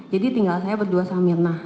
jadi tinggal saya berdua sama mirna